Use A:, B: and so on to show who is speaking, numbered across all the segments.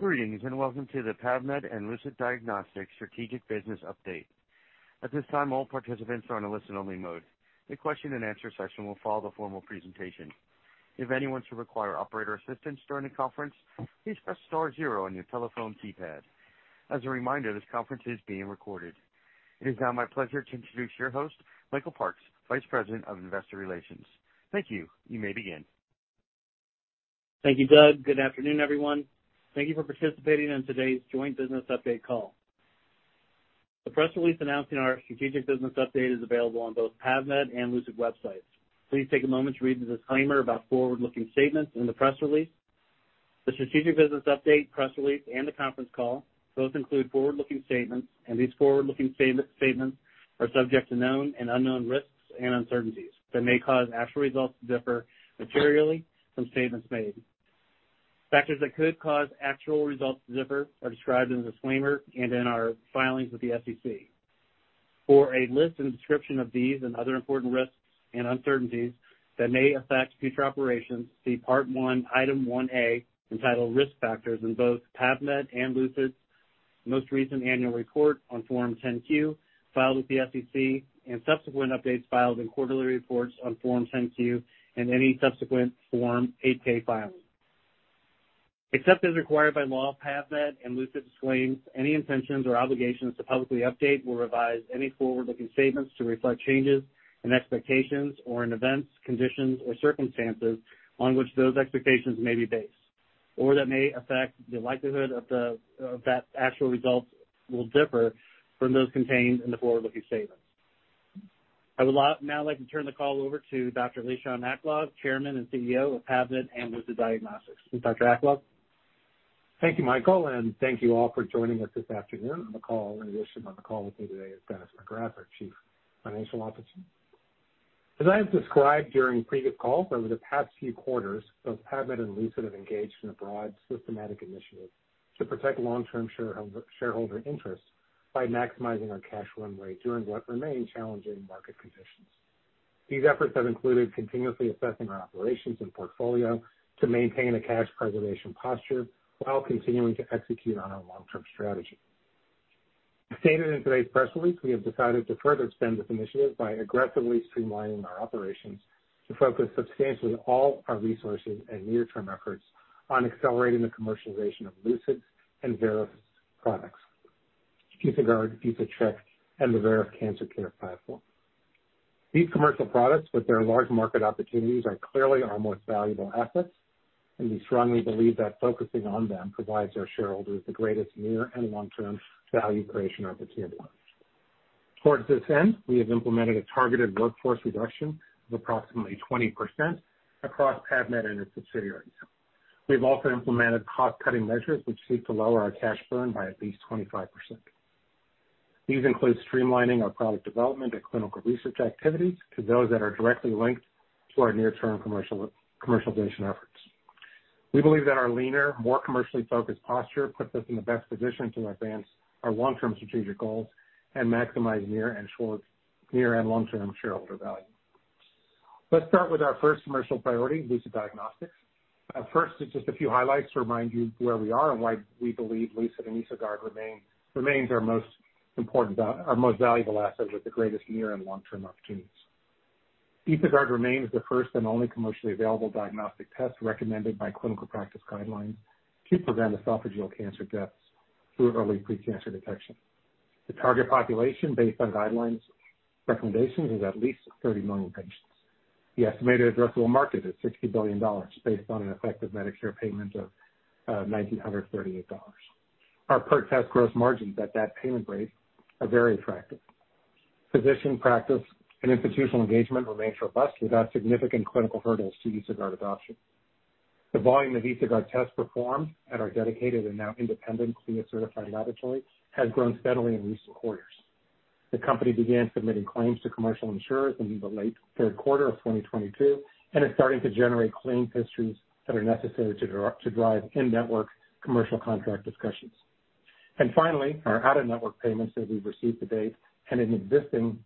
A: Greetings, welcome to the PAVmed and Lucid Diagnostics Strategic Business Update. At this time, all participants are on a listen-only mode. A question and answer session will follow the formal presentation. If anyone should require operator assistance during the conference, please press star zero on your telephone keypad. As a reminder, this conference is being recorded. It is now my pleasure to introduce your host, Michael Parks, Vice President of Investor Relations. Thank you. You may begin.
B: Thank you, Doug. Good afternoon, everyone. Thank you for participating in today's joint business update call. The press release announcing our strategic business update is available on both PAVmed and Lucid websites. Please take a moment to read the disclaimer about forward-looking statements in the press release. The strategic business update, press release, and the conference call both include forward-looking statements, these forward-looking statements are subject to known and unknown risks and uncertainties that may cause actual results to differ materially from statements made. Factors that could cause actual results to differ are described in the disclaimer and in our filings with the SEC. For a list and description of these and other important risks and uncertainties that may affect future operations, see Part one, Item 1A, entitled Risk Factors in both PAVmed and Lucid's most recent annual report on Form 10-Q, filed with the SEC and subsequent updates filed in quarterly reports on Form 10-Q and any subsequent Form 8-K filing. Except as required by law, PAVmed and Lucid disclaims any intentions or obligations to publicly update or revise any forward-looking statements to reflect changes in expectations or in events, conditions, or circumstances on which those expectations may be based, or that may affect the likelihood that actual results will differ from those contained in the forward-looking statement. I would now like to turn the call over to Dr. Lishan Aklog, Chairman and CEO of PAVmed and Lucid Diagnostics. Dr. Aklog.
C: Thank you, Michael, and thank you all for joining us this afternoon on the call. In addition on the call with me today is Dennis McGrath, our Chief Financial Officer. As I have described during previous calls over the past few quarters, both PAVmed and Lucid have engaged in a broad systematic initiative to protect long-term shareholder interests by maximizing our cash runway during what remain challenging market conditions. These efforts have included continuously assessing our operations and portfolio to maintain a cash preservation posture while continuing to execute on our long-term strategy. As stated in today's press release, we have decided to further extend this initiative by aggressively streamlining our operations to focus substantially all our resources and near-term efforts on accelerating the commercialization of Lucid and Veris' products. EsoGuard, EsoCheck, and the Veris Cancer Care Platform. These commercial products with their large market opportunities are clearly our most valuable assets. We strongly believe that focusing on them provides our shareholders the greatest near and long-term value creation opportunities. Towards this end, we have implemented a targeted workforce reduction of approximately 20% across PAVmed and its subsidiaries. We've also implemented cost-cutting measures which seek to lower our cash burn by at least 25%. These include streamlining our product development and clinical research activities to those that are directly linked to our near-term commercialization efforts. We believe that our leaner, more commercially focused posture puts us in the best position to advance our long-term strategic goals and maximize near and long-term shareholder value. Let's start with our first commercial priority, Lucid Diagnostics. At first, it's just a few highlights to remind you where we are and why we believe Lucid and EsoGuard remains our most important, our most valuable asset with the greatest near and long-term opportunities. EsoGuard remains the first and only commercially available diagnostic test recommended by clinical practice guidelines to prevent esophageal cancer deaths through early pre-cancer detection. The target population, based on guidelines recommendations, is at least 30 million patients. The estimated addressable market is $60 billion based on an effective Medicare payment of $1,938. Our per test gross margins at that payment rate are very attractive. Physician practice and institutional engagement remains robust without significant clinical hurdles to EsoGuard adoption. The volume of EsoGuard tests performed at our dedicated and now independent CLIA-certified laboratory has grown steadily in recent quarters. The company began submitting claims to commercial insurers in the late 3rd quarter of 2022 and is starting to generate claim histories that are necessary to drive in-network commercial contract discussions. Finally, our out-of-network payments that we've received to date and in existing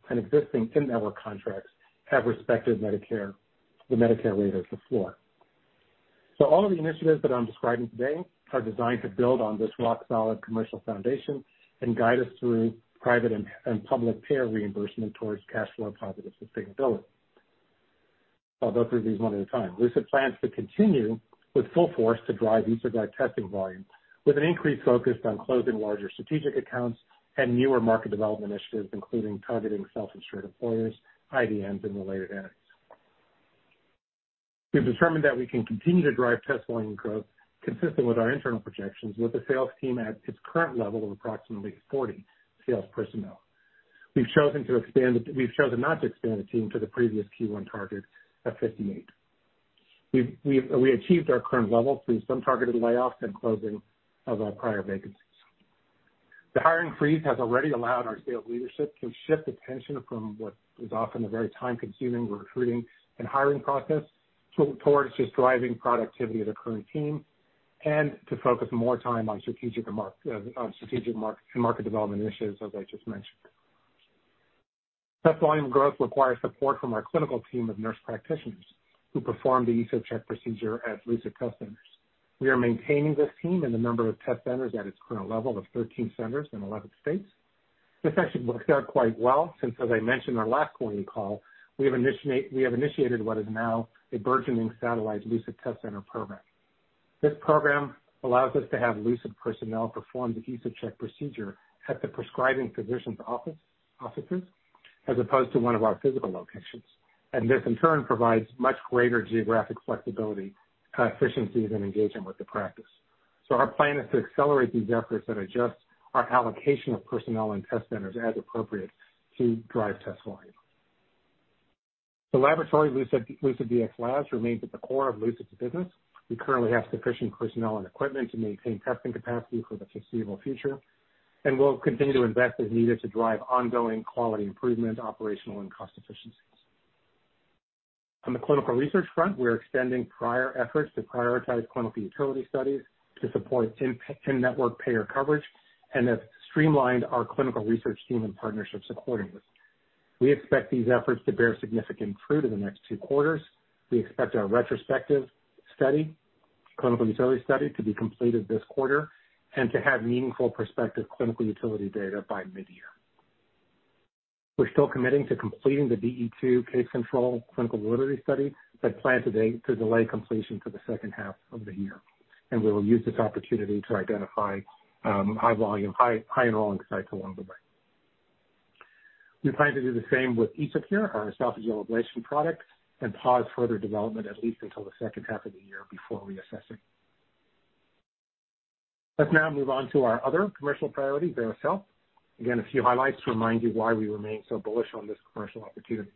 C: in-network contracts have respected Medicare, the Medicare rate as the floor. All of the initiatives that I'm describing today are designed to build on this rock-solid commercial foundation and guide us through private and public payer reimbursement towards cash flow positive sustainability. I'll go through these one at a time. Lucid plans to continue with full force to drive EsoGuard testing volume with an increased focus on closing larger strategic accounts and newer market development initiatives, including targeting self-insured employers, IDNs, and related entities. We've determined that we can continue to drive test volume growth consistent with our internal projections with the sales team at its current level of approximately 40 sales personnel. We've chosen not to expand the team to the previous Q1 target of 58. We've achieved our current levels through some targeted layoffs and closing of our prior vacancies. The hiring freeze has already allowed our sales leadership to shift attention from what is often a very time-consuming recruiting and hiring process towards just driving productivity of the current team and to focus more time on strategic and market development initiatives, as I just mentioned. Test volume growth requires support from our clinical team of nurse practitioners who perform the EsoCheck procedure at Lucid Test Centers. We are maintaining this team and the number of test centers at its current level of 13 centers in 11 states. This actually worked out quite well since, as I mentioned our last quarterly call, we have initiated what is now a burgeoning satellite Lucid Test Center program. This program allows us to have Lucid personnel perform the EsoCheck procedure at the prescribing physician's offices, as opposed to one of our physical locations. This in turn provides much greater geographic flexibility, efficiencies in engaging with the practice. Our plan is to accelerate these efforts and adjust our allocation of personnel and test centers as appropriate to drive test volume. The laboratory, Lucid Dx Labs, remains at the core of Lucid's business. We currently have sufficient personnel and equipment to maintain testing capacity for the foreseeable future. We'll continue to invest as needed to drive ongoing quality improvement, operational and cost efficiencies. On the clinical research front, we are extending prior efforts to prioritize clinical utility studies to support in-network payer coverage and have streamlined our clinical research team and partnerships accordingly. We expect these efforts to bear significant fruit in the next two quarters. We expect our retrospective study, clinical utility study to be completed this quarter and to have meaningful prospective clinical utility data by mid-year. We're still committing to completing the DE2 case control clinical utility study, but plan today to delay completion to the second half of the year, and we will use this opportunity to identify high volume, high enrolling sites along the way. We plan to do the same with EsoCare, our esophageal ablation product, pause further development at least until the second half of the year before reassessing. Let's now move on to our other commercial priority, Veris Health. A few highlights to remind you why we remain so bullish on this commercial opportunity.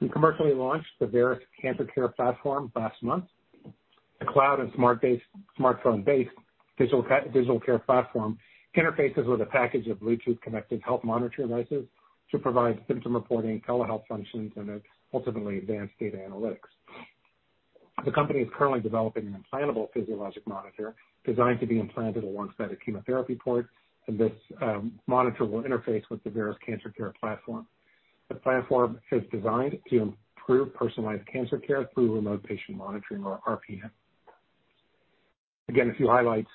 C: We commercially launched the Veris Cancer Care Platform last month. The cloud and smartphone-based digital care platform interfaces with a package of Bluetooth-connected health monitor devices to provide symptom reporting, telehealth functions, ultimately advanced data analytics. The company is currently developing an implantable physiologic monitor designed to be implanted alongside a chemotherapy port, this monitor will interface with the Veris Cancer Care Platform. The platform is designed to improve personalized cancer care through remote patient monitoring or RPM. A few highlights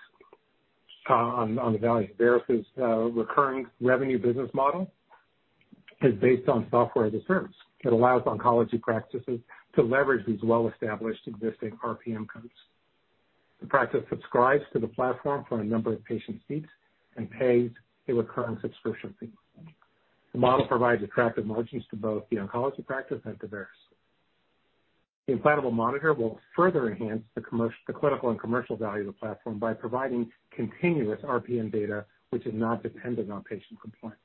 C: on the value. Veris' recurring revenue business model is based on software as a service that allows oncology practices to leverage these well-established existing RPM codes. The practice subscribes to the platform for a number of patient seats and pays a recurring subscription fee. The model provides attractive margins to both the oncology practice and to Veris. The implantable monitor will further enhance the clinical and commercial value of the platform by providing continuous RPM data, which is not dependent on patient compliance.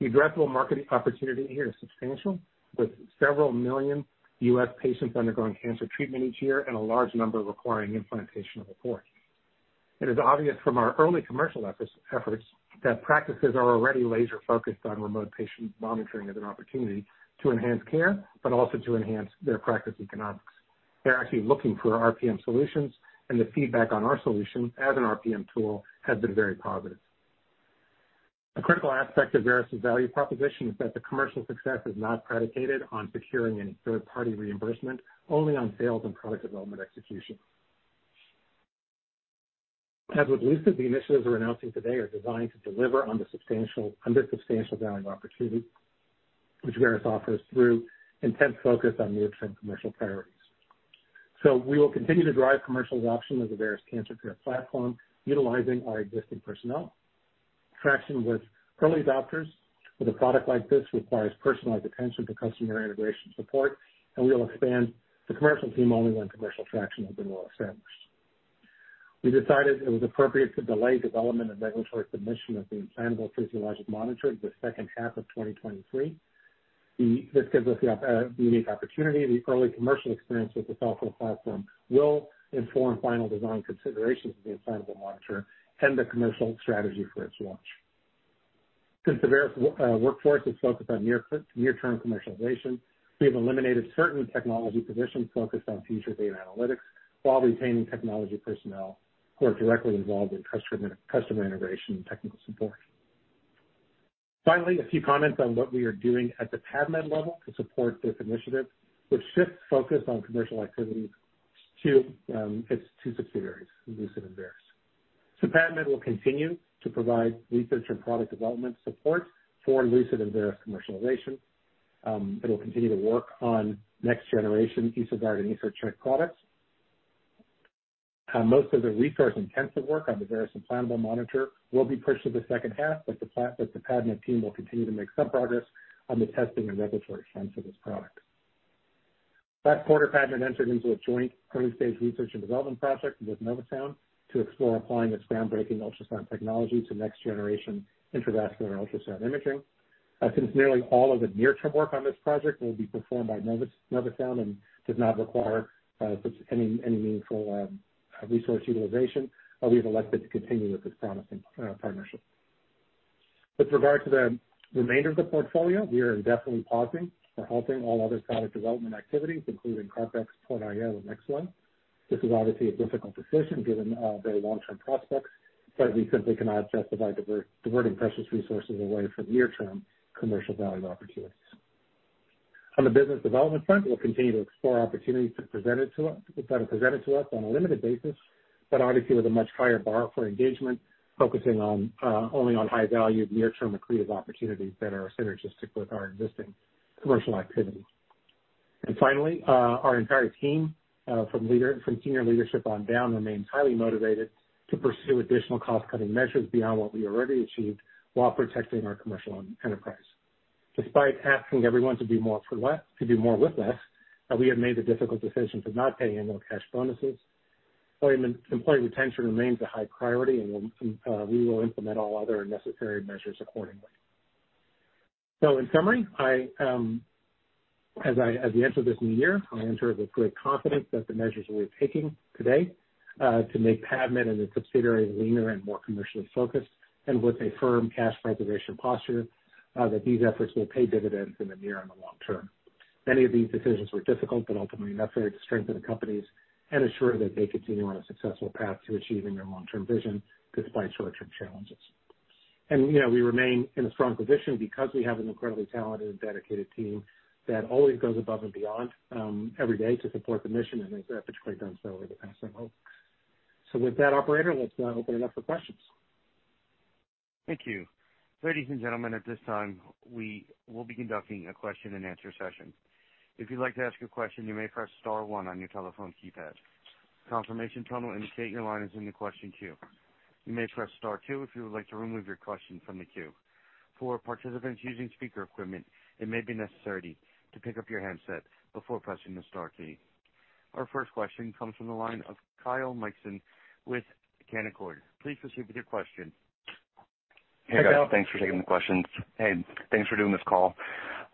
C: The addressable marketing opportunity here is substantial, with several million U.S. patients undergoing cancer treatment each year and a large number requiring implantation of a port. It is obvious from our early commercial efforts that practices are already laser-focused on remote patient monitoring as an opportunity to enhance care, but also to enhance their practice economics. They're actually looking for RPM solutions, and the feedback on our solution as an RPM tool has been very positive. A critical aspect of Veris' value proposition is that the commercial success is not predicated on securing any third-party reimbursement, only on sales and product development execution. As with Lucid, the initiatives we're announcing today are designed to deliver on this substantial value opportunity which Veris offers through intense focus on near-term commercial priorities. We will continue to drive commercial adoption of the Veris Cancer Care platform utilizing our existing personnel. Traction with early adopters with a product like this requires personalized attention to customer integration support, and we will expand the commercial team only when commercial traction has been more established. We decided it was appropriate to delay development and regulatory submission of the implantable physiologic monitor to the second half of 2023. This gives us the unique opportunity. The early commercial experience with the software platform will inform final design considerations of the implantable monitor and the commercial strategy for its launch. Since the Veris workforce is focused on near-term commercialization, we have eliminated certain technology positions focused on future data analytics while retaining technology personnel who are directly involved in customer integration and technical support. A few comments on what we are doing at the PAVmed level to support this initiative, which shifts focus on commercial activities to its two subsidiaries, Lucid and Veris. PAVmed will continue to provide research and product development support for Lucid and Veris commercialization. It will continue to work on next generation EsoGuard and EsoCheck products. Most of the resource-intensive work on the Veris implantable monitor will be pushed to the second half. The PAVmed team will continue to make some progress on the testing and regulatory plans for this product. Last quarter, PAVmed entered into a joint early-stage research and development project with Novosound to explore applying its groundbreaking ultrasound technology to next-generation intravascular ultrasound imaging. Since nearly all of the near-term work on this project will be performed by Novosound and does not require any meaningful resource utilization, we've elected to continue with this promising partnership. With regard to the remainder of the portfolio, we are indefinitely pausing or halting all other product development activities, including CarpX, PortIO, and X1. This is obviously a difficult decision given very long-term prospects, but we simply cannot justify diverting precious resources away from near-term commercial value opportunities. On the business development front, we'll continue to explore opportunities to present it to us, that are presented to us on a limited basis, but obviously with a much higher bar for engagement, focusing only on high value near-term accretive opportunities that are synergistic with our existing commercial activities. Finally, our entire team, from senior leadership on down remains highly motivated to pursue additional cost-cutting measures beyond what we already achieved while protecting our commercial enterprise. Despite asking everyone to do more with less, we have made the difficult decision to not pay annual cash bonuses. Employee retention remains a high priority, and we will implement all other necessary measures accordingly. In summary, I, as we enter this new year, I enter with great confidence that the measures we're taking today to make PAVmed and the subsidiaries leaner and more commercially focused and with a firm cash preservation posture, that these efforts will pay dividends in the near and the long term. Many of these decisions were difficult, but ultimately necessary to strengthen the companies and ensure that they continue on a successful path to achieving their long-term vision despite short-term challenges. You know, we remain in a strong position because we have an incredibly talented and dedicated team that always goes above and beyond, every day to support the mission, and they've particularly done so over the past several. With that, operator, let's now open it up for questions.
A: Thank you. Ladies and gentlemen, at this time, we will be conducting a question-and-answer session. If you'd like to ask a question, you may press star one on your telephone keypad. Confirmation tone will indicate your line is in the question queue. You may press star two if you would like to remove your question from the queue. For participants using speaker equipment, it may be necessary to pick up your handset before pressing the star key. Our first question comes from the line of Kyle Mikson with Canaccord. Please proceed with your question.
D: Hey, guys. Thanks for taking the questions. Hey, thanks for doing this call.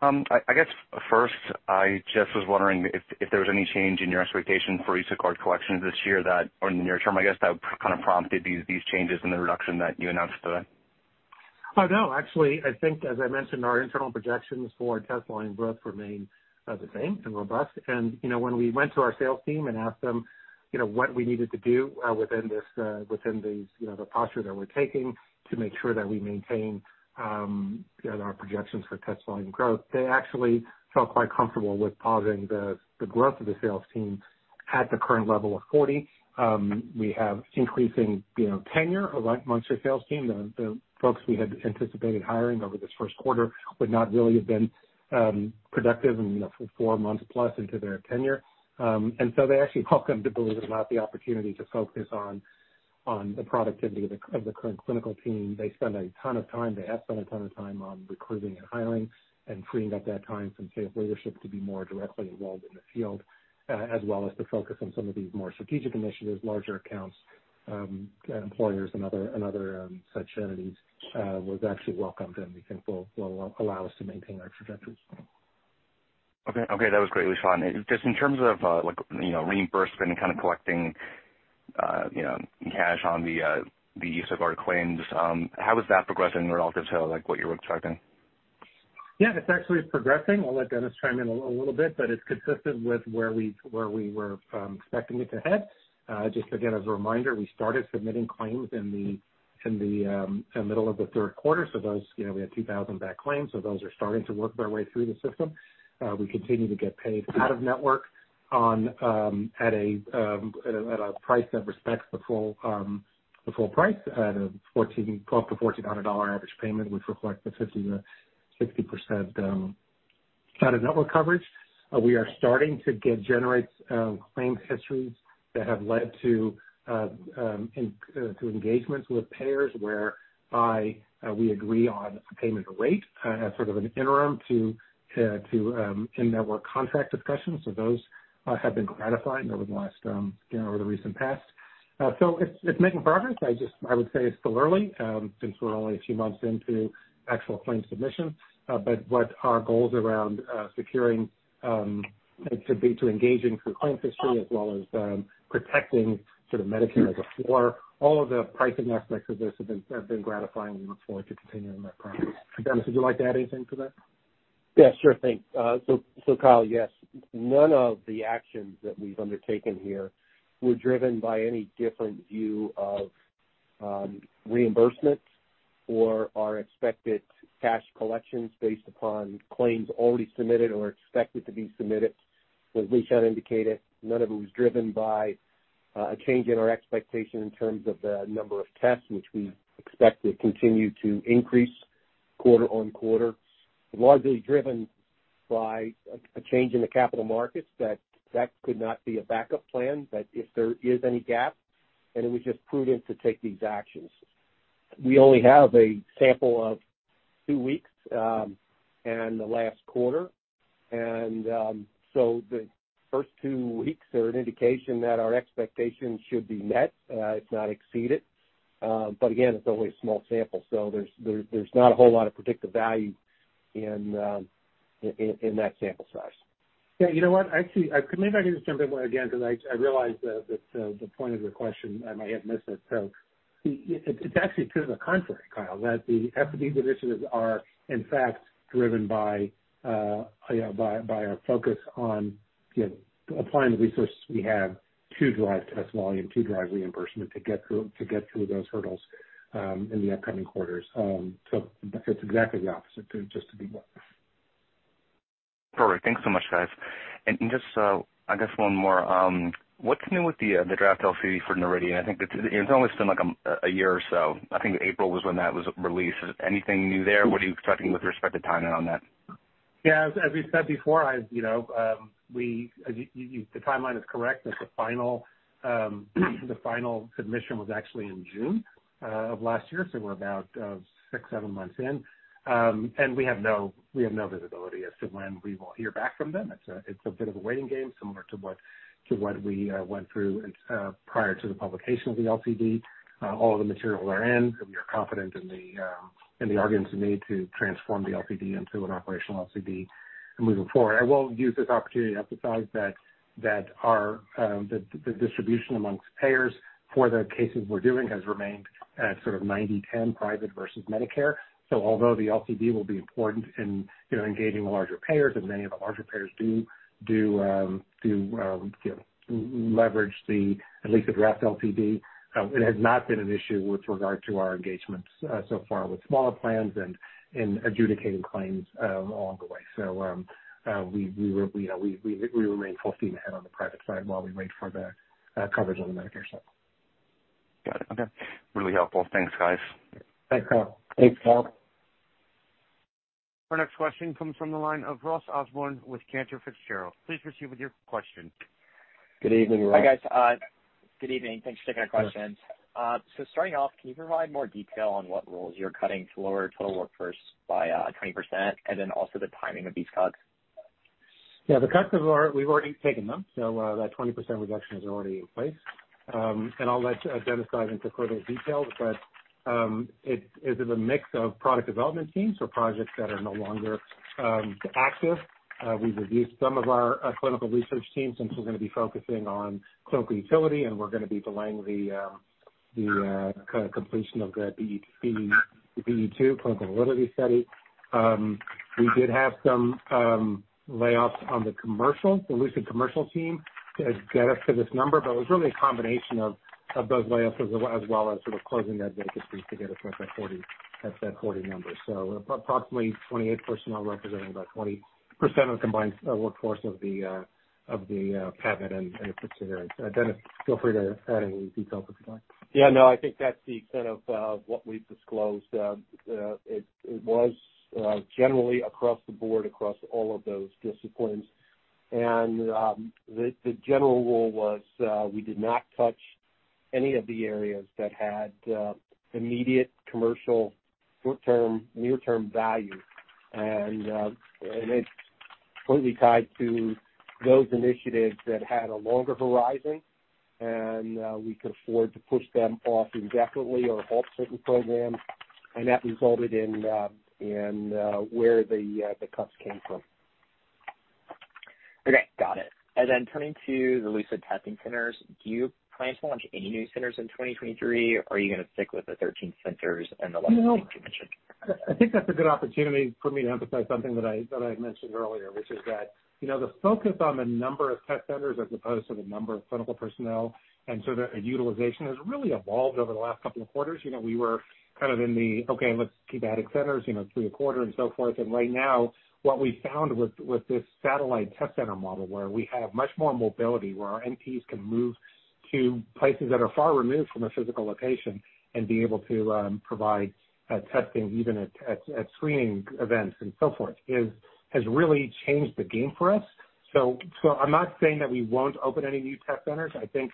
D: I guess first, I just was wondering if there was any change in your expectation for use of card collections this year that or in the near term, I guess, that kind of prompted these changes in the reduction that you announced today.
C: Oh, no. Actually, I think as I mentioned, our internal projections for test volume growth remain the same and robust. You know, when we went to our sales team and asked them, you know, what we needed to do within this, within these, you know, the posture that we're taking to make sure that we maintain, you know, our projections for test volume growth, they actually felt quite comfortable with pausing the growth of the sales team at the current level of 40. We have increasing, you know, tenure amongst our sales team. The folks we had anticipated hiring over this first quarter would not really have been productive and, you know, four months plus into their tenure. They actually welcomed, believe it or not, the opportunity to focus on the productivity of the current clinical team. They spend a ton of time, they have spent a ton of time on recruiting and hiring and freeing up that time from sales leadership to be more directly involved in the field, as well as to focus on some of these more strategic initiatives, larger accounts, employers and other such entities, was actually welcomed and we think will allow us to maintain our trajectories.
D: Okay. Okay, that was great, Lishan Aklog. Just in terms of, like, you know, reimbursement and kind of collecting, you know, cash on the use of our claims, how is that progressing relative to, like, what you were expecting?
C: Yeah, it's actually progressing. I'll let Dennis chime in a little bit, but it's consistent with where we were expecting it to head. Just again, as a reminder, we started submitting claims in the middle of the third quarter. Those, you know, we had 2,000 back claims, so those are starting to work their way through the system. We continue to get paid out-of-network at a price that respects the full price at a $1,200-$1,400 average payment, which reflects the 50%-60% out-of-network coverage. We are starting to get generate claim histories that have led to engagements with payers whereby we agree on a payment rate as sort of an interim to in-network contract discussions. Those have been gratifying over the last, you know, over the recent past. It's making progress. I would say it's still early since we're only a few months into actual claims submission. What our goals around securing to be to engaging through claim history as well as protecting sort of Medicare as a floor, all of the pricing aspects of this have been, have been gratifying. We look forward to continuing that progress. Dennis, would you like to add anything to that?
E: Sure thing. Kyle, yes, none of the actions that we've undertaken here were driven by any different view of reimbursement or our expected cash collections based upon claims already submitted or expected to be submitted. As Lishan indicated, none of it was driven by a change in our expectation in terms of the number of tests, which we expect to continue to increase quarter-on-quarter, largely driven by a change in the capital markets that could not be a backup plan. If there is any gap, then it was just prudent to take these actions. We only have a sample of two weeks in the last quarter. The first two weeks are an indication that our expectations should be met, if not exceeded. Again, it's only a small sample, so there's not a whole lot of predictive value in that sample size.
C: Yeah. You know what? Actually, maybe if I can just jump in again because I realize that the point of your question I might have missed it. It's actually true to the contrary, Kyle, that the FD initiatives are in fact driven by, you know, by our focus on, you know, applying the resources we have to drive test volume, to drive reimbursement, to get through those hurdles in the upcoming quarters. It's exactly the opposite, just to be clear.
D: Perfect. Thanks so much, guys. Just, I guess one more. What's new with the draft LCD for Noridian? I think it's only been, like, a year or so. I think April was when that was released. Is anything new there? What are you expecting with respect to timing on that?
C: Yeah, as we said before, I, you know, the timeline is correct. It's the final, the final submission was actually in June of last year, so we're about six, seven months in. We have no visibility as to when we will hear back from them. It's a bit of a waiting game, similar to what we went through prior to the publication of the LCD. All of the materials are in, we are confident in the arguments we made to transform the LCD into an operational LCD and moving forward. I will use this opportunity to emphasize that our, the distribution amongst payers for the cases we're doing has remained at sort of 90/10 private versus Medicare. Although the LCD will be important in, you know, engaging larger payers and many of the larger payers do, you know, leverage the at least the draft LCD, it has not been an issue with regard to our engagements so far with smaller plans and in adjudicating claims along the way. We remain full steam ahead on the private side while we wait for the coverage on the Medicare side.
D: Got it. Okay. Really helpful. Thanks, guys.
C: Thanks, Kyle.
E: Thanks, Kyle.
A: Our next question comes from the line of Ross Osborn with Cantor Fitzgerald. Please proceed with your question.
C: Good evening, Ross.
F: Hi, guys. Good evening. Thanks for taking our questions. Starting off, can you provide more detail on what roles you're cutting to lower total workforce by 20%, also the timing of these cuts?
C: Yeah, the cuts have we've already taken them, so that 20% reduction is already in place. I'll let Dennis dive into further details, but it is in a mix of product development teams, so projects that are no longer active. We've reduced some of our clinical research teams since we're gonna be focusing on clinical utility, and we're gonna be delaying the kind of completion of the BE-2 clinical validity study. We did have some layoffs on the commercial, the Lucid commercial team to get us to this number, but it was really a combination of those layoffs as well as sort of closing that vacancy to get us to that 40 number. Approximately 28 personnel representing about 20% of the combined workforce of the PAVmed and Lucid. Dennis, feel free to add any details if you'd like.
E: Yeah, no, I think that's the extent of what we've disclosed. It was generally across the board, across all of those disciplines. The general rule was we did not touch any of the areas that had immediate commercial, short-term, near-term value. It's completely tied to those initiatives that had a longer horizon, and we could afford to push them off indefinitely or halt certain programs. That resulted in where the cuts came from.
F: Okay. Got it. Turning to the Lucid testing centers, do you plan to launch any new centers in 2023, or are you gonna stick with the 13 centers and the 11 you mentioned?
C: No. I think that's a good opportunity for me to emphasize something that I had mentioned earlier, which is that, you know, the focus on the number of test centers as opposed to the number of clinical personnel and sort of utilization has really evolved over the last couple of quarters. You know, we were kind of in the, okay, let's keep adding centers, you know, through the quarter and so forth. Right now, what we found with this satellite test center model, where we have much more mobility, where our NPs can move to places that are far removed from a physical location and be able to provide testing even at screening events and so forth, has really changed the game for us. I'm not saying that we won't open any new test centers. I think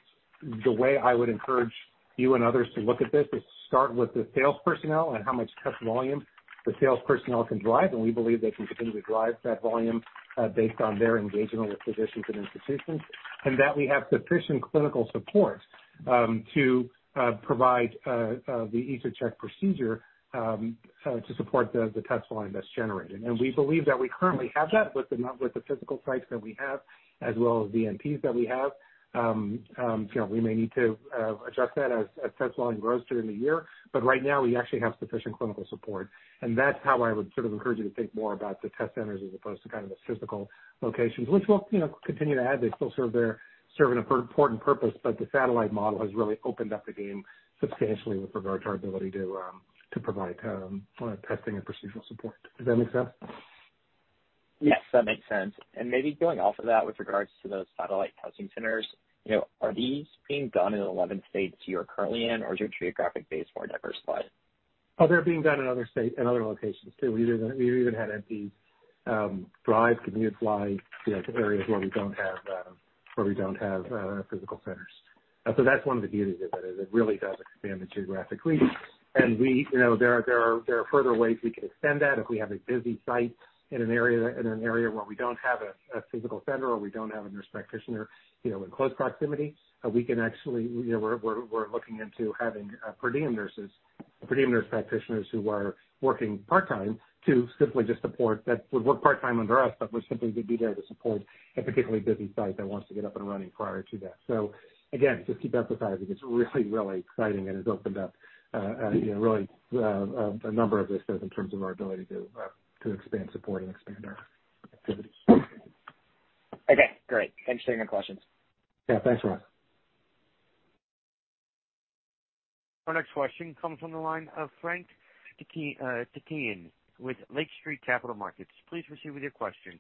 C: the way I would encourage you and others to look at this is start with the sales personnel and how much test volume the sales personnel can drive, and we believe they can continue to drive that volume based on their engagement with physicians and institutions, and that we have sufficient clinical support to provide the EsoCheck procedure to support the test volume that's generated. We believe that we currently have that with the physical sites that we have as well as the NPs that we have. You know, we may need to adjust that as test volume grows during the year, but right now we actually have sufficient clinical support. That's how I would sort of encourage you to think more about the test centers as opposed to kind of the physical locations, which we'll, you know, continue to add. They still serve an important purpose, but the satellite model has really opened up the game substantially with regard to our ability to provide testing and procedural support. Does that make sense?
F: Yes, that makes sense. Maybe going off of that with regards to those satellite testing centers, you know, are these being done in the 11 states you're currently in, or is your geographic base more diversified?
C: They're being done in other state, in other locations too. We even had NPs drive, commute fly, you know, to areas where we don't have, where we don't have physical centers. So that's one of the beauties of it, is it really does expand it geographically. We, you know, there are further ways we can extend that. If we have a busy site in an area where we don't have a physical center or we don't have a nurse practitioner, you know, in close proximity, we can actually. You know, we're looking into having per diem nurses- A predominance of practitioners who are working part-time to simply just support that would work part-time under us, but would simply be there to support a particularly busy site that wants to get up and running prior to that. Again, just keep emphasizing it's really, really exciting, and it's opened up, you know, really, a number of risks in terms of our ability to expand, support, and expand our activities.
F: Okay, great. Thanks for taking the questions.
C: Yeah, thanks Ross.
A: Our next question comes from the line of Frank Takkinen with Lake Street Capital Markets. Please proceed with your question.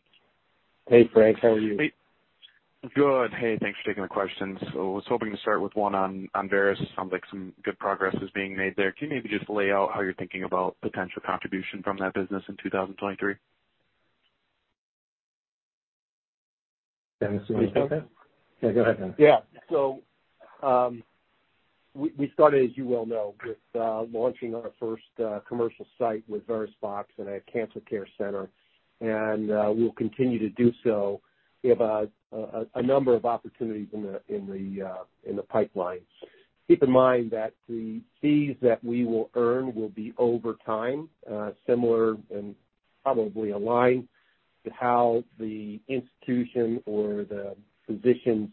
E: Hey, Frank. How are you?
G: Good. Hey, thanks for taking the questions. I was hoping to start with one on Veris. It sounds like some good progress is being made there. Can you maybe just lay out how you're thinking about potential contribution from that business in 2023?
C: Dennis, you wanna take that? Yeah, go ahead, Dennis.
E: We started, as you well know, with launching our first commercial site with VerisBox in a cancer care center, and we'll continue to do so. We have a number of opportunities in the pipeline. Keep in mind that the fees that we will earn will be over time, similar and probably aligned to how the institution or the physicians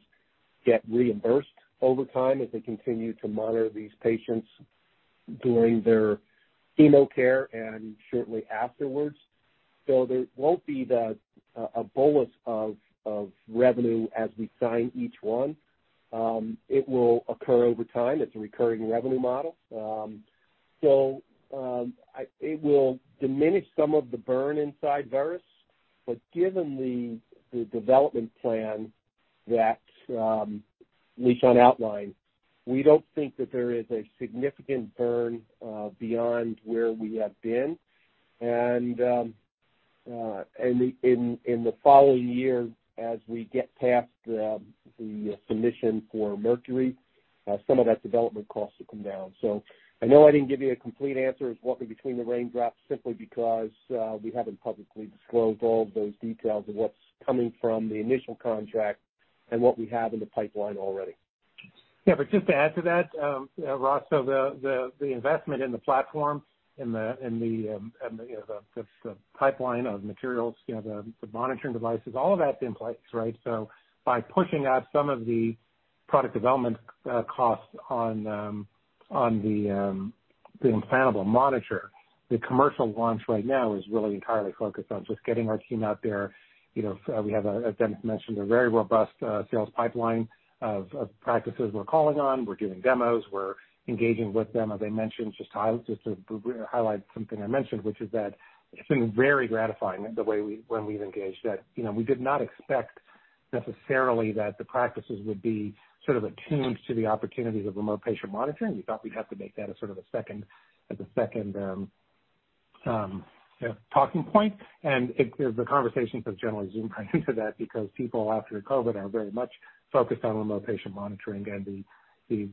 E: get reimbursed over time as they continue to monitor these patients during their chemo care and shortly afterwards. There won't be the a bolus of revenue as we sign each one. It will occur over time. It's a recurring revenue model. It will diminish some of the burn inside Veris, but given the development plan that Lishan outlined, we don't think that there is a significant burn beyond where we have been. In the following year as we get past the submission for Mercury, some of that development cost will come down. I know I didn't give you a complete answer. It's walking between the raindrops simply because we haven't publicly disclosed all of those details of what's coming from the initial contract and what we have in the pipeline already.
C: Yeah. Just to add to that, Ross, the investment in the platform and the, you know, the pipeline of materials, you know, the monitoring devices, all of that's in place, right? By pushing out some of the product development costs on the implantable monitor, the commercial launch right now is really entirely focused on just getting our team out there. You know, we have, as Dennis mentioned, a very robust sales pipeline of practices we're calling on. We're doing demos, we're engaging with them, as I mentioned. Just to highlight something I mentioned, which is that it's been very gratifying the way when we've engaged that. You know, we did not expect necessarily that the practices would be sort of attuned to the opportunities of remote patient monitoring. We thought we'd have to make that a sort of a second talking point. The conversations with general Zoom kind of do that because people after COVID are very much focused on remote patient monitoring and the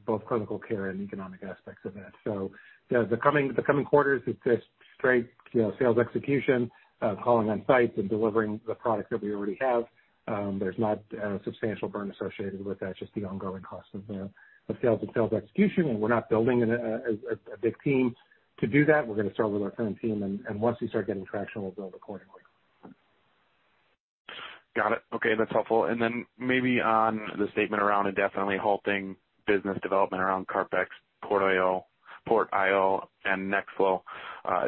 C: both clinical care and economic aspects of that. The coming quarters, it's a straight, you know, sales execution, calling on sites and delivering the product that we already have. There's not a substantial burn associated with that, just the ongoing cost of the sales and sales execution. We're not building a big team to do that. We're gonna start with our current team, and once we start getting traction, we'll build accordingly.
G: Got it. Okay, that's helpful. Maybe on the statement around indefinitely halting business development around CarpX, PortIO, and NextFlo.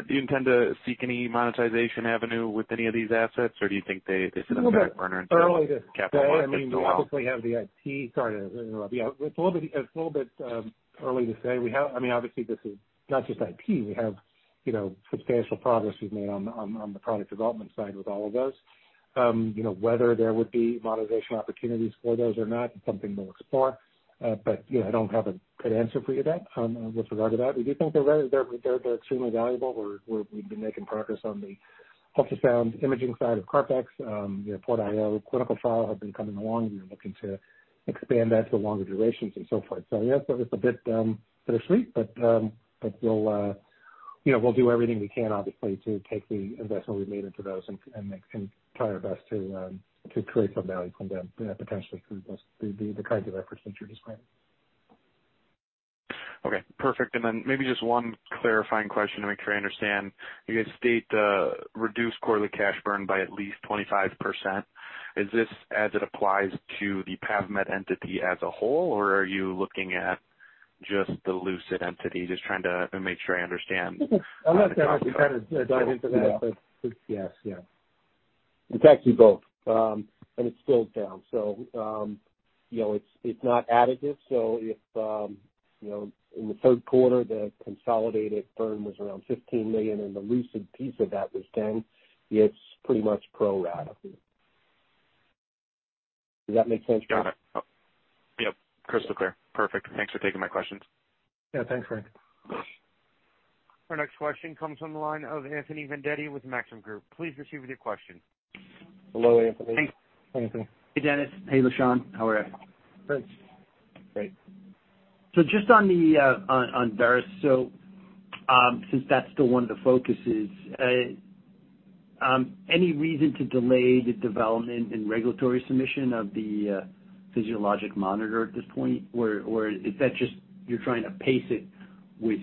G: Do you intend to seek any monetization avenue with any of these assets, or do you think they sit on the back burner until capital markets allow?
C: It's a little bit early to say. I mean, we obviously have the IP. Sorry to interrupt you. It's a little bit early to say. I mean, obviously this is not just IP. We have, you know, substantial progress we've made on the product development side with all of those. You know, whether there would be monetization opportunities for those or not is something we'll explore. Yeah, I don't have a good answer for you there with regard to that. We do think they're very, they're extremely valuable. We've been making progress on the ultrasound imaging side of CarpX. You know, PortIO clinical trial have been coming along, we're looking to expand that to longer durations and so forth. Yeah, it's a bit bittersweet, but we'll, you know, we'll do everything we can, obviously, to take the investment we've made into those and make and try our best to create some value from them, potentially through those, the kinds you referenced in your description.
G: Okay, perfect. Then maybe just one clarifying question to make sure I understand. You guys state, reduce quarterly cash burn by at least 25%. Is this as it applies to the PAVmed entity as a whole, or are you looking at just the Lucid entity? Just trying to make sure I understand.
C: I'll let Dennis kind of dive into that. Yes. Yeah.
E: It's actually both, and it's scaled down. You know, it's not additive. If, you know, in the third quarter, the consolidated burn was around $15 million and the Lucid piece of that was $10 million, it's pretty much pro rata. Does that make sense?
G: Got it. Yep. Crystal clear. Perfect. Thanks for taking my questions.
C: Yeah, thanks, Frank.
A: Our next question comes from the line of Anthony Vendetti with Maxim Group. Please proceed with your question.
E: Hello, Anthony.
C: Hey, Anthony.
H: Hey, Dennis. Hey, Lishan. How are you?
E: Good.
H: Great. just on Veris. since that's still one of the focuses. Any reason to delay the development and regulatory submission of the physiologic monitor at this point? Or is that just you're trying to pace it with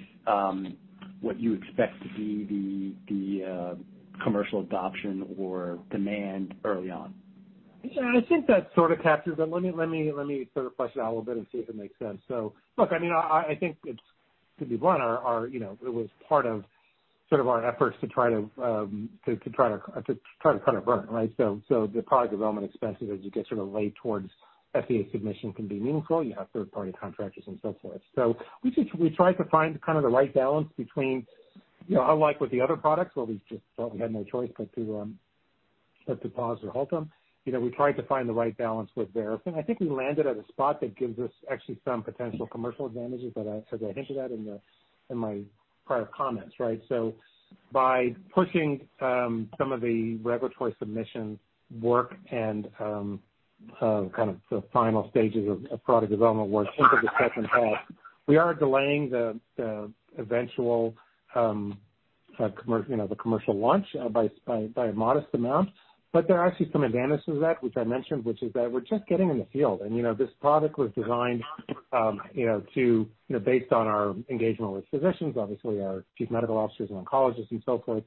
H: what you expect to be the commercial adoption or demand early on?
C: Yeah, I think that sort of captures it. Let me sort of flush it out a little bit and see if it makes sense. Look, I mean, I think it's to be blunt, our, you know, it was part of sort of our efforts to try to cut a burn, right? The product development expenses, as you get sort of late towards FDA submission can be meaningful. You have third party contractors and so forth. We try to find kind of the right balance between, you know, unlike with the other products where we just felt we had no choice but to pause or halt them, you know, we tried to find the right balance with Veracyte. I think we landed at a spot that gives us actually some potential commercial advantages, I, as I hinted at in my prior comments, right? by pushing some of the regulatory submission work and kind of the final stages of product development work into the second half, we are delaying the eventual, you know, the commercial launch by a modest amount. There are actually some advantages to that which I mentioned, which is that we're just getting in the field. You know, this product was designed, you know, to, you know, based on our engagement with physicians, obviously our chief medical officers and oncologists and so forth.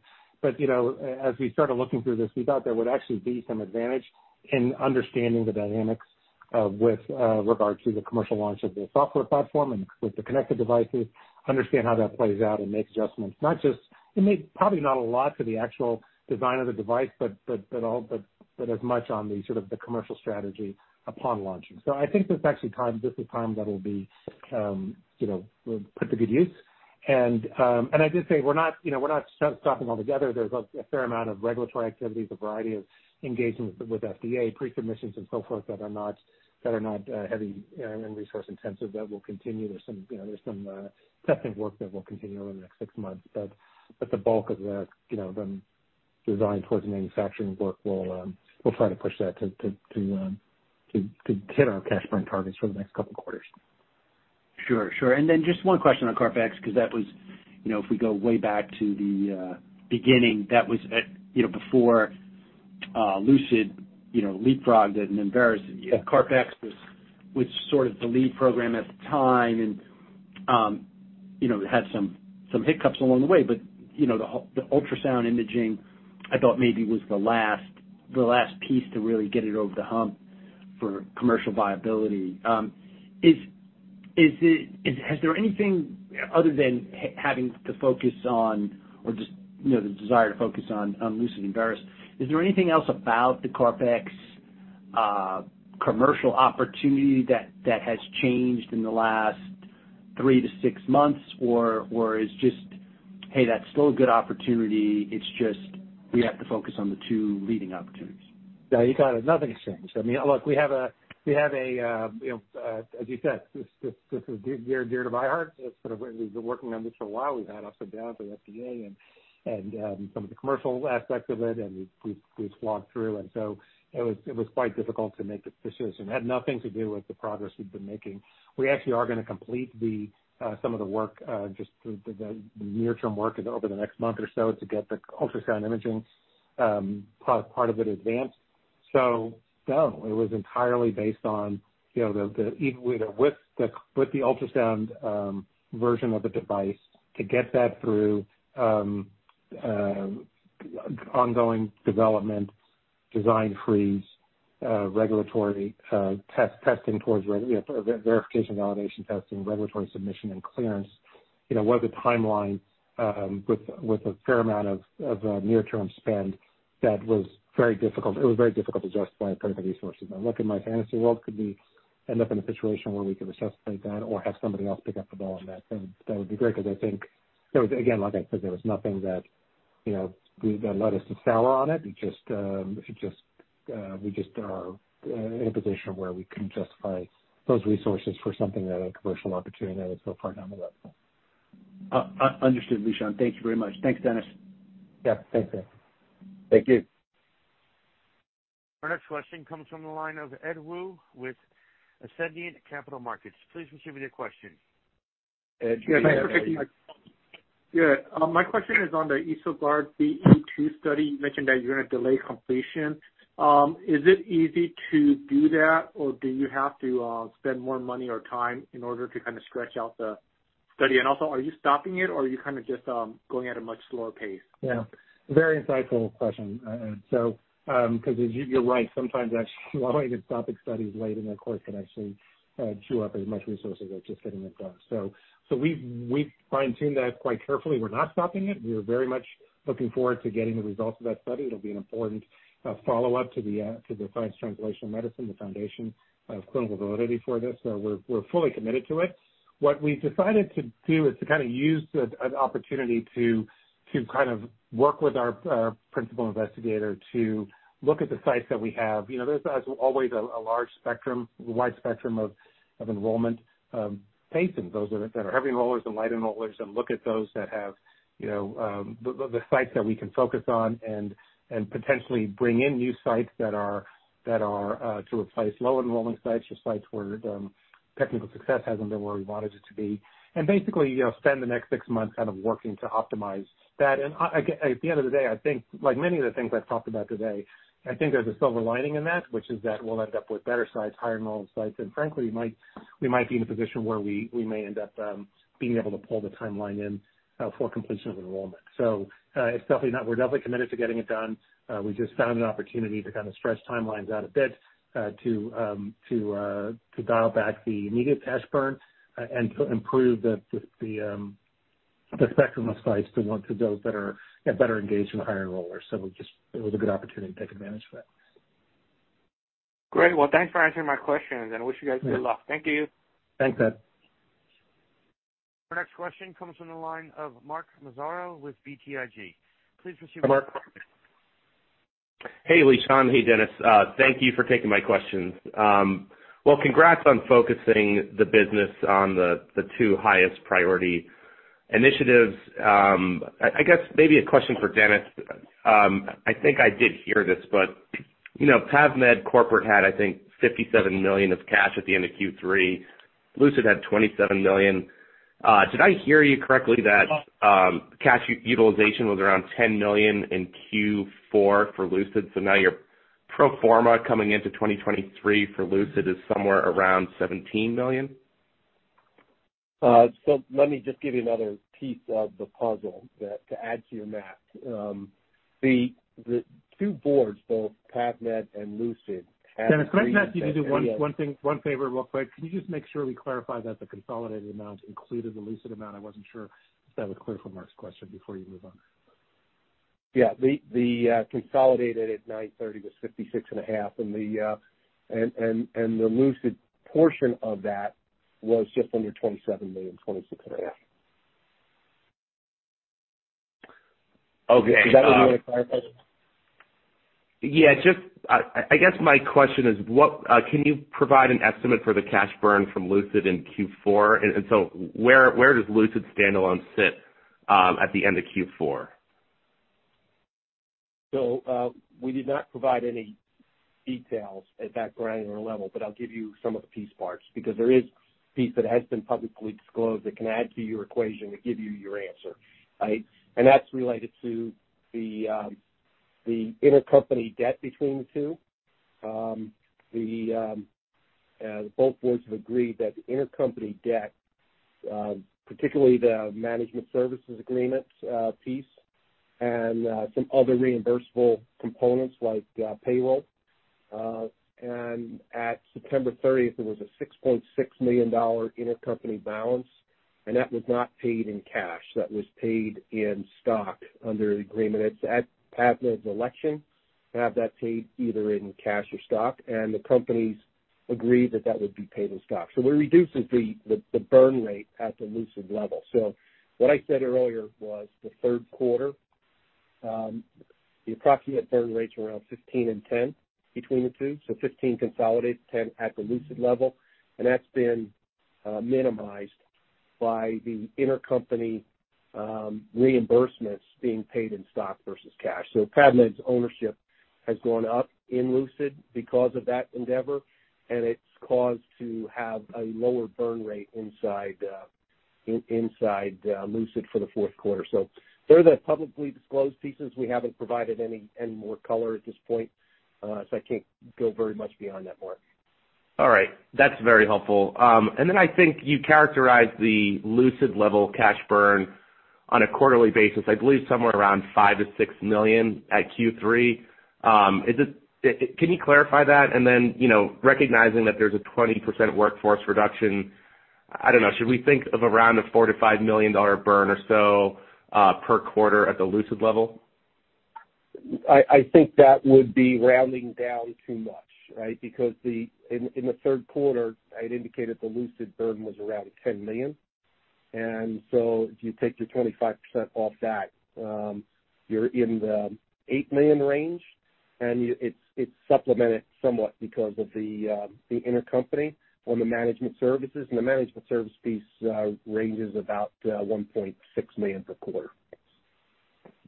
C: You know, as we started looking through this, we thought there would actually be some advantage in understanding the dynamics with regard to the commercial launch of the software platform and with the connected devices, understand how that plays out and make adjustments. It made probably not a lot to the actual design of the device, but all, but as much on the sort of the commercial strategy upon launching. I think there's actually time, this is time that will be, you know, put to good use. I did say we're not, you know, we're not stopping altogether. There's a fair amount of regulatory activities, a variety of engagements with FDA pre-submissions and so forth that are not heavy and resource intensive that will continue. There's some, you know, there's some testing work that will continue over the next 6 months, but the bulk of the, you know, the design towards the manufacturing work, we'll try to push that to hit our cash burn targets for the next couple quarters.
H: Sure, sure. Just one question on CarpX, 'cause that was, you know, if we go way back to the beginning, that was at, you know, before Lucid, you know, leapfrogged it and Embarus, CarpX was sort of the lead program at the time. You know, it had some hiccups along the way. You know, the ultrasound imaging I thought maybe was the last piece to really get it over the hump for commercial viability. Has there anything other than having to focus on or just, you know, the desire to focus on Lucid and Embarus, is there anything else about the CarpX commercial opportunity that has changed in the last three to six months? Is just, hey, that's still a good opportunity, it's just we have to focus on the two leading opportunities?
C: Yeah, you got it. Nothing has changed. I mean, look, we have a, we have a, you know, as you said, this is dear to my heart. It's sort of where we've been working on this for a while. We've had ups and downs with FDA and, some of the commercial aspects of it, we've slogged through. It was quite difficult to make this decision. It had nothing to do with the progress we've been making. We actually are gonna complete the, some of the work, just the near term work over the next month or so to get the ultrasound imaging, part of it advanced. No, it was entirely based on, you know, even with the ultrasound version of the device to get that through ongoing development, design freeze, regulatory testing towards, you know, verification, validation testing, regulatory submission and clearance. You know, what was the timeline with a fair amount of near term spend that was very difficult. It was very difficult to justify putting the resources. Look, in my fantasy world could be end up in a situation where we could assessate that or have somebody else pick up the ball on that would be great, 'cause I think there was, again, like I said, there was nothing that, you know, that led us to sour on it. We just are in a position where we couldn't justify those resources for something that a commercial opportunity that is so far down the road.
H: understood, Lishan. Thank you very much. Thanks, Dennis.
C: Yeah, thanks, Anthony.
H: Thank you.
A: Our next question comes from the line of Edward Wu with Ascendiant Capital Markets. Please proceed with your question.
E: Ed, hi.
I: Yeah, hi. Yeah, my question is on the EsoGuard BE-2 study. You mentioned that you're gonna delay completion. Is it easy to do that, or do you have to spend more money or time in order to kind of stretch out the study? Are you stopping it or are you kind of just going at a much slower pace?
C: Yeah, very insightful question, Ed. Because you're right. Sometimes actually wanting to stopping studies late in their course can actually chew up as much resources as just hitting the close. We've fine-tuned that quite carefully. We're not stopping it. We are very much looking forward to getting the results of that study. It'll be an important follow-up to the Science Translational Medicine, the foundation of clinical validity for this. We're fully committed to it. What we've decided to do is to kind of use an opportunity to kind of work with our principal investigator to look at the sites that we have. You know, there's as always, a large spectrum, wide spectrum of enrollment, patients, those that are heavy enrollers and light enrollers, and look at those that have, you know, the sites that we can focus on and potentially bring in new sites that are to replace low enrollment sites or sites where the technical success hasn't been where we wanted it to be. Basically, you know, spend the next six months kind of working to optimize that. Again, at the end of the day, I think like many of the things I've talked about today, I think there's a silver lining in that, which is that we'll end up with better sites, higher enrollment sites, and frankly, we might be in a position where we may end up being able to pull the timeline in for completion of enrollment. We're definitely committed to getting it done. We just found an opportunity to kind of stretch timelines out a bit to dial back the needed cash burn and to improve the spectrum of sites to want to go better, get better engaged with higher enrollers. It was a good opportunity to take advantage of that. Great.
I: Thanks for answering my questions, and I wish you guys good luck. Thank you.
C: Thanks, Ed.
A: Our next question comes from the line of Mark Massaro with BTIG. Please proceed, Mark.
J: Hey, Lishan. Hey, Dennis. Thank you for taking my questions. Well, congrats on focusing the business on the two highest priority initiatives. I guess maybe a question for Dennis. I think I did hear this, you know, PAVmed Corporate had, I think, $57 million of cash at the end of Q3. Lucid had $27 million. Did I hear you correctly that cash utilization was around $10 million in Q4 for Lucid, so now your pro forma coming into 2023 for Lucid is somewhere around $17 million?
E: Let me just give you another piece of the puzzle that to add to your math. The two boards, both PAVmed and Lucid.
C: Dennis, can I ask you to do one thing, one favor real quick. Can you just make sure we clarify that the consolidated amount included the Lucid amount? I wasn't sure if that was clear from Mark's question before you move on.
E: Yeah. The consolidated at 9:30 was $56.5 million, and the Lucid portion of that was just under $27 million, $26.5 million.
J: Okay.
E: Does that clarify?
J: Yeah, just I guess my question is what. Can you provide an estimate for the cash burn from Lucid in Q4? Where does Lucid standalone sit at the end of Q4?
E: We did not provide any details at that granular level, but I'll give you some of the piece parts because there is piece that has been publicly disclosed that can add to your equation to give you your answer, right? That's related to the intercompany debt between the two. The both boards have agreed that the intercompany debt, particularly the management services agreement, piece and some other reimbursable components like payroll. At September 30th, there was a $6.6 million intercompany balance, and that was not paid in cash. That was paid in stock under the agreement. It's at PAVmed's election to have that paid either in cash or stock, and the companies agreed that that would be paid in stock. It reduces the, the burn rate at the Lucid level. What I said earlier was the third quarter, the approximate burn rates were around $15 and $10 between the two, $15 consolidated, $10 at the Lucid level, and that's been minimized by the intercompany reimbursements being paid in stock versus cash. PAVmed's ownership has gone up in Lucid because of that endeavor, and it's caused to have a lower burn rate inside Lucid for the fourth quarter. They're the publicly disclosed pieces. We haven't provided any more color at this point, so I can't go very much beyond that, Mark.
J: That's very helpful. I think you characterized the Lucid level cash burn on a quarterly basis, I believe somewhere around $5 million-$6 million at Q3. Can you clarify that? Then, you know, recognizing that there's a 20% workforce reduction, I don't know, should we think of around a $4 million-$5 million burn or so per quarter at the Lucid level?
E: I think that would be rounding down too much, right? Because in the third quarter, I'd indicated the Lucid burn was around $10 million. You take your 25% off that, you're in the $8 million range. It's supplemented somewhat because of the intercompany on the management services, the management service piece ranges about $1.6 million per quarter.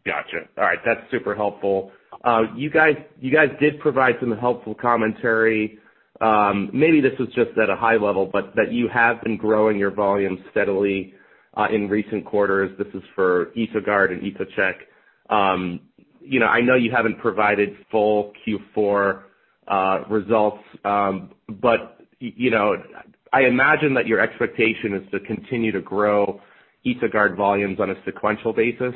J: Gotcha. All right. That's super helpful. You guys, you guys did provide some helpful commentary. Maybe this was just at a high level, but that you have been growing your volume steadily in recent quarters. This is for EsoGuard and EsoCheck. You know, I know you haven't provided full Q4 results, but you know, I imagine that your expectation is to continue to grow EsoGuard volumes on a sequential basis.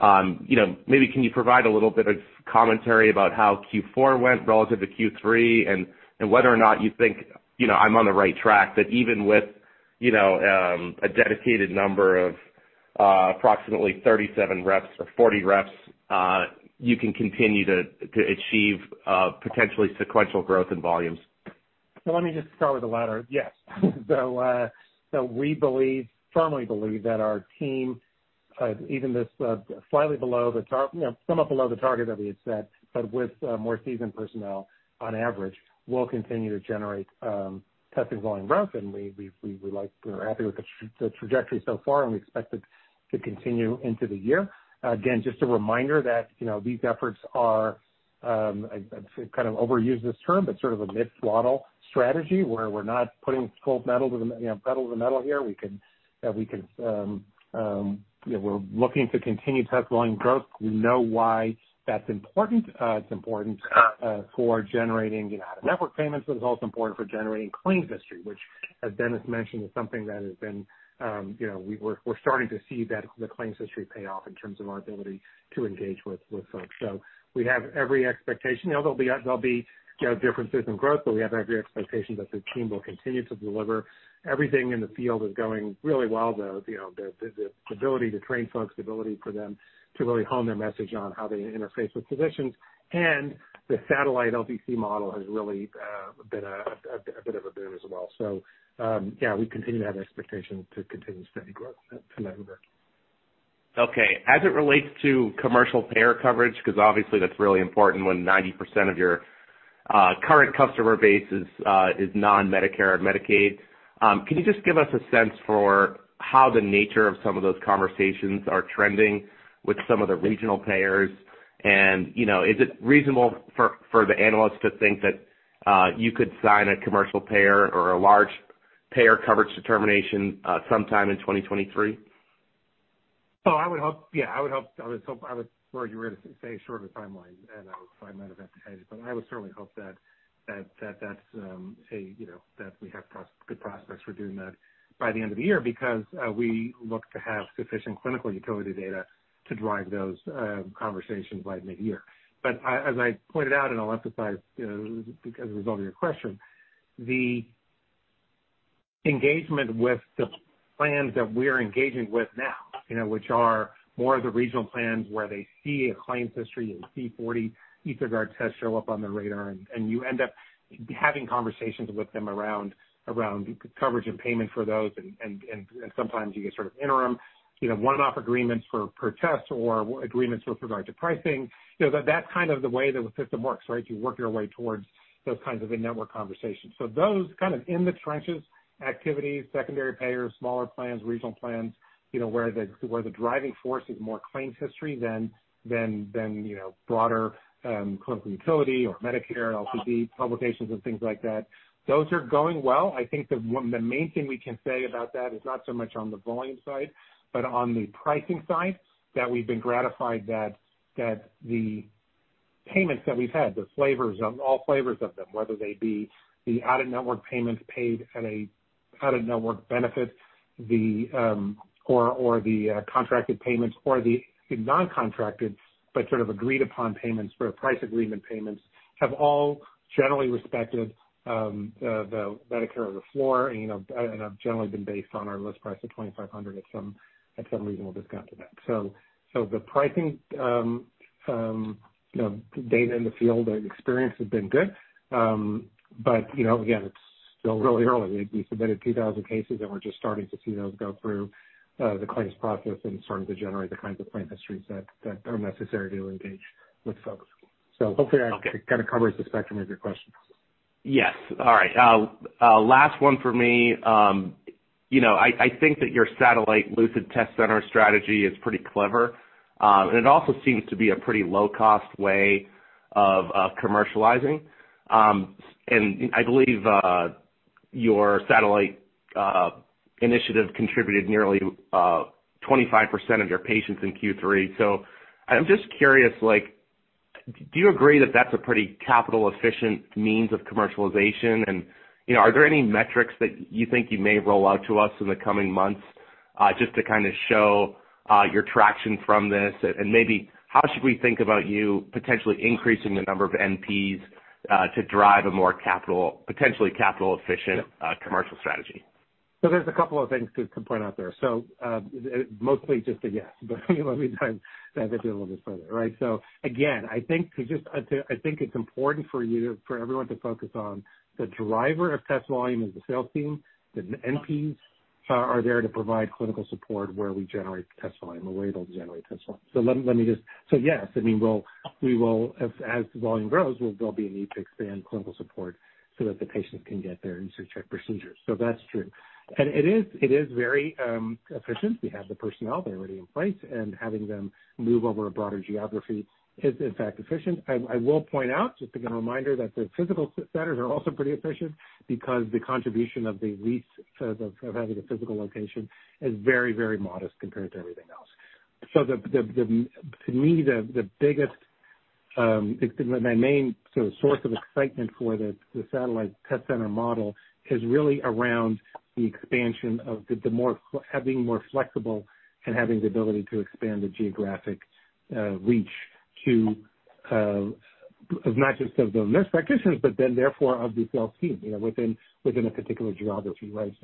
J: You know, maybe can you provide a little bit of commentary about how Q4 went relative to Q3 and whether or not you think, you know, I'm on the right track that even with, you know, a dedicated number of approximately 37 reps or 40 reps, you can continue to achieve potentially sequential growth in volumes?
C: Let me just start with the latter. Yes. We believe, firmly believe that our team, even this, you know, somewhat below the target that we had set, but with more seasoned personnel on average, will continue to generate test line growth. We like, we're happy with the trajectory so far, and we expect it to continue into the year. Again, just a reminder that, you know, these efforts are, I kind of overuse this term, but sort of a mid-swaddle strategy where we're not putting gold medal to the, you know, pedal to the metal here. We can, you know, we're looking to continue test line growth. We know why that's important. It's important for generating, you know, out-of-network payments, but it's also important for generating claims history, which, as Dennis mentioned, is something that has been, you know, we're starting to see that the claims history pay off in terms of our ability to engage with folks. We have every expectation. You know, there'll be, you know, differences in growth, but we have every expectation that the team will continue to deliver. Everything in the field is going really well, though. You know, the ability to train folks, the ability for them to really hone their message on how they interface with physicians, and the satellite LVC model has really been a bit of a boom as well. Yeah, we continue to have expectation to continue steady growth going forward.
J: Okay. As it relates to commercial payer coverage, 'cause obviously that's really important when 90% of your current customer base is non-Medicare or Medicaid. Can you just give us a sense for how the nature of some of those conversations are trending with some of the regional payers? You know, is it reasonable for the analysts to think that you could sign a commercial payer or a large payer coverage determination sometime in 2023?
C: Oh, I would hope. Yeah, I would hope. I would hope. I would urge you were to say shorter timeline, and I would if I might have anticipated, but I would certainly hope that's, you know, that we have good prospects for doing that by the end of the year because we look to have sufficient clinical utility data to drive those conversations by mid-year. As I pointed out, I'll emphasize, you know, because as a result of your question, the engagement with the plans that we're engaging with now, you know, which are more of the regional plans where they see a claims history and 40 EsoGuard tests show up on their radar, and you end up having conversations with them around coverage and payment for those, and sometimes you get sort of interim, you know, one-off agreements for per tests or agreements with regard to pricing. You know, that's kind of the way that the system works, right? You work your way towards those kinds of in-network conversations. Those kind of in the trenches activities, secondary payers, smaller plans, regional plans, you know, where the driving force is more claims history than, you know, broader clinical utility or Medicare LCD publications and things like that. Those are going well. I think the main thing we can say about that is not so much on the volume side, but on the pricing side, that we've been gratified that the payments that we've had, the flavors of... all flavors of them, whether they be the out-of-network payments paid at a out-of-network benefit, the, or the contracted payments or the non-contracted but sort of agreed upon payments for price agreement payments have all generally respected the Medicare of the floor and, you know, and have generally been based on our list price of $2,500 at some, at some reasonable discount to that. The pricing, you know, data in the field and experience has been good. But you know, again, it's still really early. We submitted 2,000 cases and we're just starting to see those go through the claims process and starting to generate the kinds of claim histories that are necessary to engage with folks. Hopefully that.
J: Okay.
C: kind of covers the spectrum of your questions.
J: Yes. All right. Last one for me. You know, I think that your satellite Lucid Test Center strategy is pretty clever, and it also seems to be a pretty low-cost way of commercializing. I believe your satellite initiative contributed nearly 25% of your patients in Q3. I'm just curious, like do you agree that that's a pretty capital efficient means of commercialization? You know, are there any metrics that you think you may roll out to us in the coming months, just to kinda show your traction from this? Maybe how should we think about you potentially increasing the number of NPs to drive a more potentially capital efficient commercial strategy?
C: There's a couple of things to point out there. Mostly just a yes, but let me try to dive into it a little bit further, right? Again, I think it's important for you, for everyone to focus on the driver of test volume is the sales team. The NPs are there to provide clinical support where we generate the test volume, the way it'll generate test volume. Yes, I mean we will, as the volume grows, we'll still be in need to expand clinical support so that the patients can get their EsoCheck procedures. That's true. It is very efficient. We have the personnel, they're already in place, and having them move over a broader geography is in fact efficient. I will point out just, again, a reminder that the physical centers are also pretty efficient because the contribution of the lease of having a physical location is very, very modest compared to everything else. To me, the biggest my main sort of source of excitement for the satellite test center model is really around the expansion of the having more flexible and having the ability to expand the geographic reach to not just of the nurse practitioners, but then therefore of the sales team, you know, within a particular geography, right?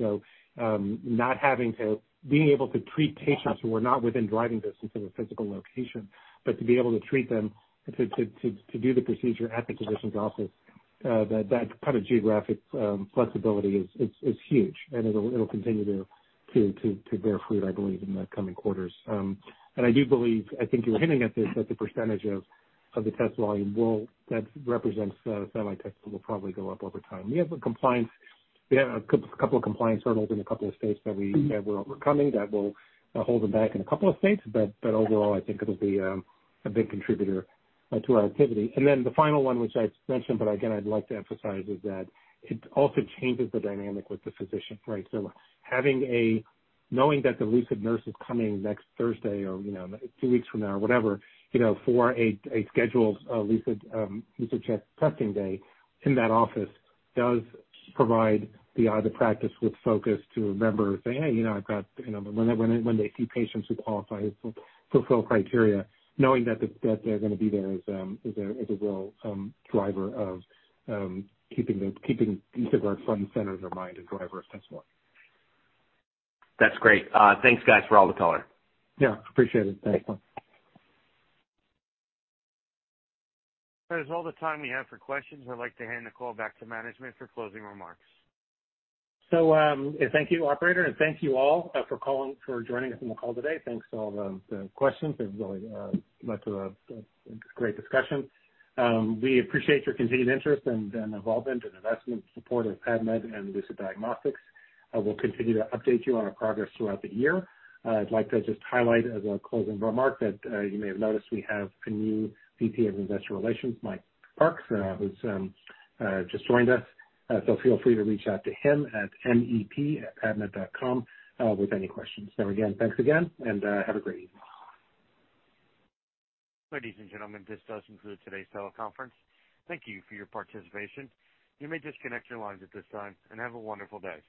C: Being able to treat patients who are not within driving distance of a physical location, but to be able to treat them to do the procedure at the physician's office, that kind of geographic flexibility is huge and it'll continue to bear fruit, I believe, in the coming quarters. I do believe, I think you were hinting at this, that the percentage of the test volume that represents the satellite tests will probably go up over time. We have a couple of compliance hurdles in a couple of states that we're overcoming that will hold them back in a couple of states, but overall, I think it'll be a big contributor to our activity. The final one, which I mentioned, but again I'd like to emphasize, is that it also changes the dynamic with the physician, right? Having knowing that the Lucid nurse is coming next Thursday or, you know, two weeks from now or whatever, you know, for a scheduled Lucid Check testing day in that office does provide the practice with focus to remember, say, "Hey, you know, I've got." You know, when they see patients who qualify, fulfill criteria, knowing that they're gonna be there is a real driver of keeping EsoGuard front and center of their mind and driver of test one.
J: That's great. Thanks, guys, for all the color.
C: Yeah, appreciate it. Thanks.
A: That is all the time we have for questions. I'd like to hand the call back to management for closing remarks.
C: Thank you, operator, and thank you all for joining us on the call today. Thanks to all the questions. It was really led to a great discussion. We appreciate your continued interest and involvement and investment and support of PAVmed and Lucid Diagnostics. I will continue to update you on our progress throughout the year. I'd like to just highlight as a closing remark that you may have noticed we have a new VP of Investor Relations, Michael Parks, who's just joined us. Feel free to reach out to him at mep@pavmed.com with any questions. Again, thanks again, and have a great evening.
A: Ladies and gentlemen, this does conclude today's teleconference. Thank you for your participation. You may disconnect your lines at this time, and have a wonderful day.